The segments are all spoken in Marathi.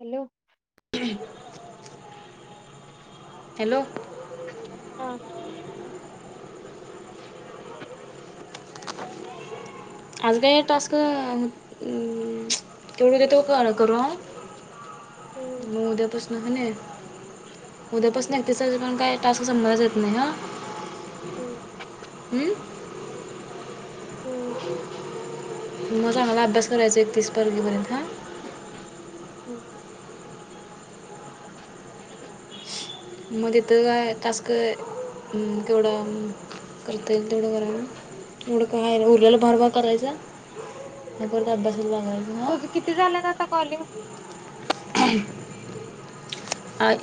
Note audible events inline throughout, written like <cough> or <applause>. हॅलो. हॅलो. हा. आज काय टास्क तेवढ देतो करू. हम्म म उद्यापासन ह नी उद्यापासन तीस तारखे पर्यंत काय टास्क संपणारच येत नाही ह. हम्म. हम्म. हम्म मग चांगला अभ्यास करायचा एकतीस तारखीपर्यंत हा. हम्म. म तिथं काय टास्क केवढा करता येईल तेवढं करायच एवढं काय हाय उरलेल भारभार करायच म परत अभ्यासाला लागायचं. हां तुझ किती झाल्यात आता कॉलिंग?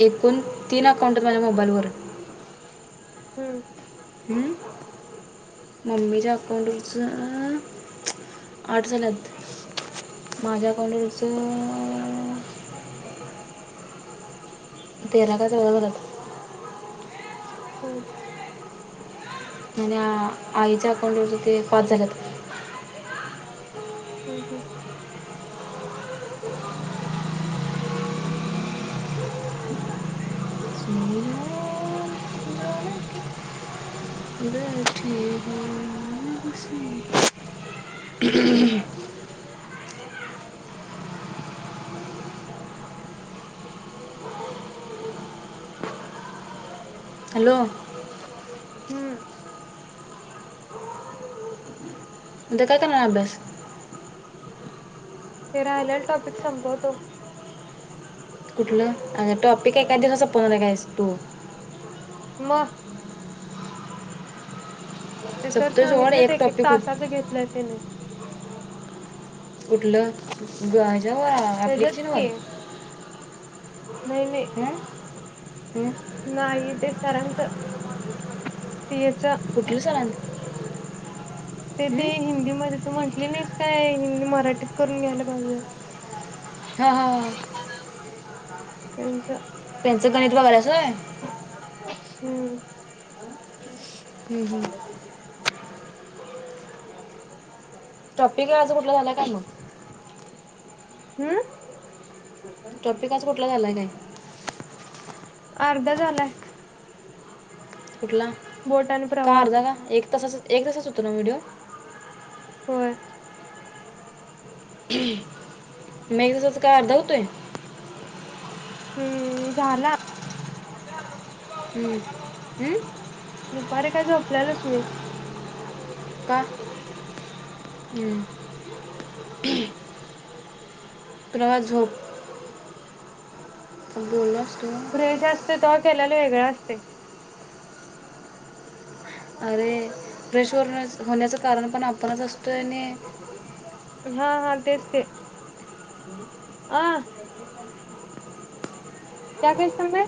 एकूण तीन अकाउंट माझ्या मोबाईल वर हम्म. हम्म. मम्मीच्या अकाउंटवरच आठ झाल्यात. माझ्या अकाऊंट वरच तेरा काय चौदा झाल्यात हम्म. आणि आईच्या अकाउंट वरच ते पाच झाल्यात. हम्म हम्म. <inaudible> <inaudible> हॅलो. हम्म. उद्या काय करणार अभ्यास? ते राहिलेल टॉपिक संपवतो. कुठला अ टॉपिक एका दिवसाचा संपवणार हाइस तू. म. ते सर सप्तोय सोड सांगितलेत एक- एक टॉपिक तासाच घेतलंय त्यानी कुठलं? गाजावा ऍप्लिकेशन त्याचच वर की नाही नाही ह्म्म्म हम्म नाही ते सरांचं, यचं कुठल सरां ते ते हिंदीमध्ये तू म्हटली नाहीस काय हिंदी मराठीत करून घ्यायला पाहिजे. हा हा त्यांच त्यांचं गणित बघाल्यास होय हू हम् हम् हा.. टॉपिकला आज कुठल झाला काय मग? हम्म टॉपिक आज कुठला झाला नाही. अर्धा झालाय. कुठला बोट आणि का प्रवाहाचा अर्धा का एक तासाच एक तासाच होत ना व्हिडिओ होय हू मग एक तासाच काय अर्धा हूतोय. हम्म झाला हम्म.. हम्म दुपारी काय झोपलेलच नाही. का हम् आपल्याला झोप बोललो असतो. फ्रेश असतेय तवा केल्याल वेगळा असतय. अरे फ्रेशवरनच होण्याचं कारण पण आपणच असतोय करते आणि एकदा आतातरी हा हा तेच ते आ क्या भेजता मे?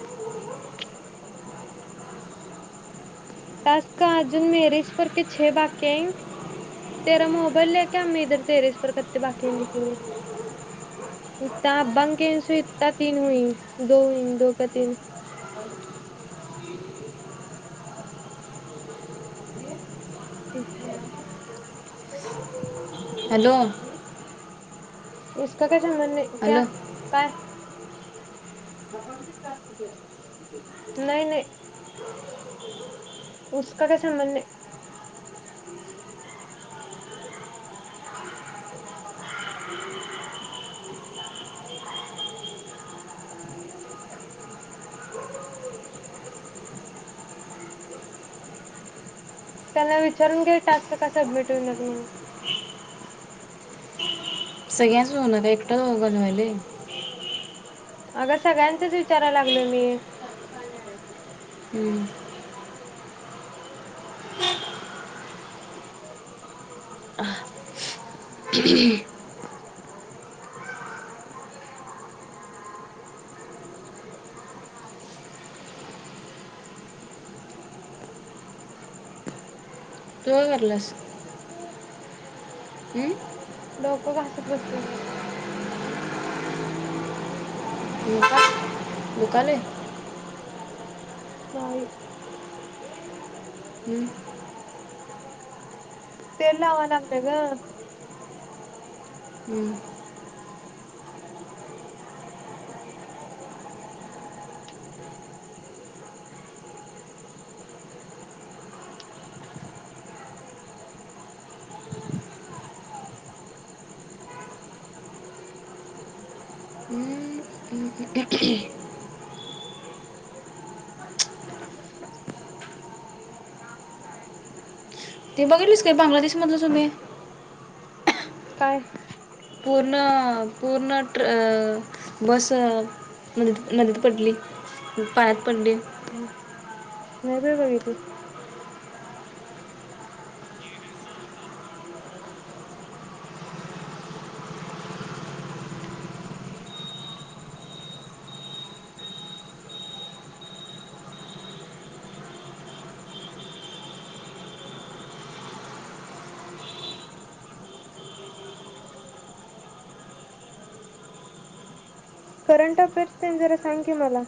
टास्क अजून मेरेजपर के छे बाकीय है. तेरा मोबाईल लेके आ मै इधर टेरेस पर कत्ते बाकी है देखेंगे. इत्ता अब्बा की वजह से इत्ता तीन हुई दोन होई दो का तीन अब्बांके <unintelligible> हॅलो! उसका कैसा मन नई, क्या? हॅलो काय? नई नई उसका कैसा मन नई त्यांना विचारून घे टास्क का सबमिट होई नात म्हणून? सगळ्यांच होणार हाय <unintelligible> अग सगळ्यांचच विचाराय लागलोय मी हूं... हां.. च <unintelligible> तू काय कराल्यास? हं... डोकं घासत बसलोय. डोकं दुखालय. नाही. हं.. तेल लावा लागलोय गं हुं... हू.. हुं. <unintelligible> ते बघितलीस काय बांगलादेशमधलं सुमे.? काय? पूर्ण पूर्ण ट्र अ बस नदीत-नदीत पडली, पाण्यात पडली. हं.. नाही बाई बागितलो. करंट अफेअर्स तेन जरा सांग की मला.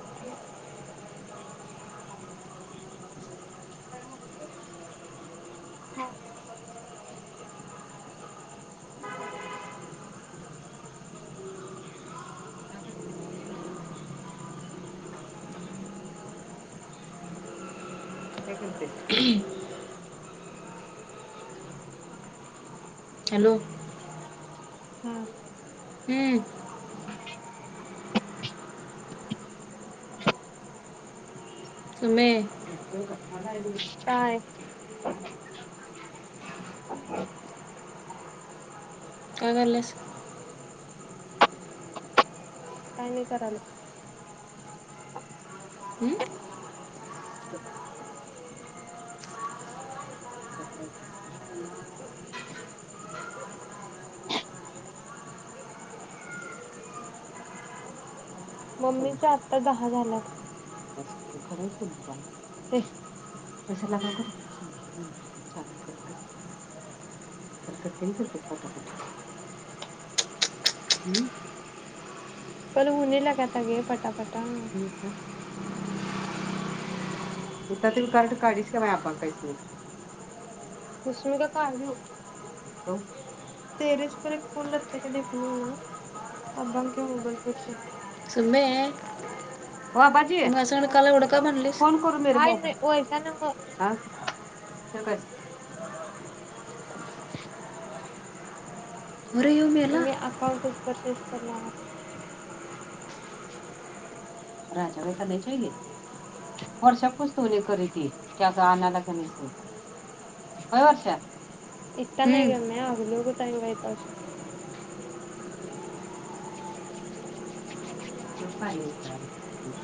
<unintelligible> काय <unintelligible> हा काय म्हटलीस? काय करतेस? हॅलो. हा.. हुं... <unintelligible> सुमे ह्य फोन काय आलाय व्हंय, काय. काय कराल्यास? काय नाही करालो. हं.. <unintelligible> ऐकलीत. मम्मीची आत्ता दहा झाल्यात, काय सख्य खर <unintelligible> कशाला का करतीस मग चाल कल कर. <unintelligible> करतेस पटा -पटा. हूं.. कल हुने लगा ता गे फटाफटा. हुता त्यो कार्ड काढीस क्या बई आब्बाका इसमे का?.. इसमें का काढी हूं.. कऊ, तेरेसे पर एक फोन लागते का देखणे हुना. आबाके मोबाईल पर से. सुम्मे.... वो आब्बाजीे काय एवढं का म्हणलीस फोन कर. हाय अम्मी वेसा न्वह, फिर कैसा? <unintelligible> वेू म <unintelligible> <unintelligible> अकाउंटच परचेस करणार राजा भाईता नाहीच येईली. वर्षापस्तोर हे करिती त्याचा आणयच <unintelligible> नाही स व्हय वर्षा, इतका हम्म नाही गम्या हगली <unintelligible> होघतंगयता वर्ष पाणी इथ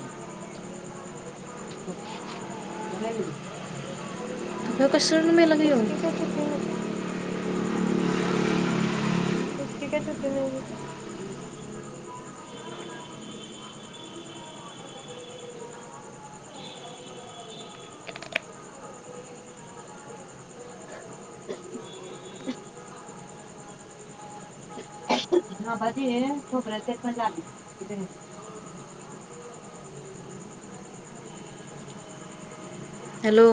<inaudible> बघ <inaudible> तो कशावरून मेला ग येऊ <inaudible> चुकीने उसकी क्या चुकी नही हैं. हम <inaudible> हा भाजी हैं, खूबरेलते पण लागेल. हॅलो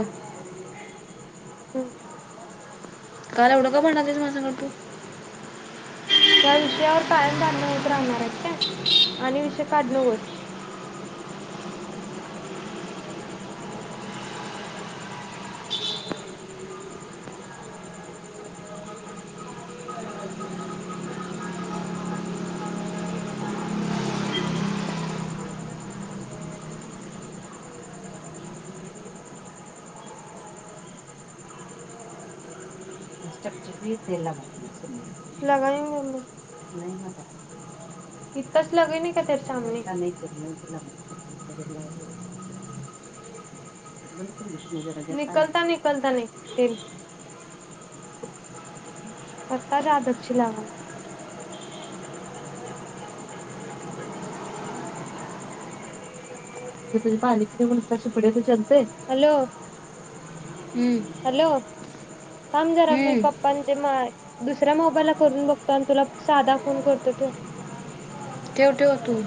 हम्म. काल एवढं का भांडालतीस माझ्या संग तू? ह्या विषयावर कायम बांडणं होत राहणार आहेत काय? आणि हा विषय काढु नकोस. ह <unintelligible> चपचपी तेल लगाना, लगायी मम्मी, नही लगाई. इताच लगाई नाही क्या तेरे सामने? ईधर लागे? निकलता- निकलता नही तेल. आत्ताच आदतशी लगाना. तु पानी कि तरह शिपडे तो चलतय? हँलो हम्म. हॅलो, थांम जरा मी हम्म पप्पांचे माय दुसऱ्या मोबाईल ला करून बघतो आणि तुला साधा फोन करतो ठेव. ठेव ठेव तु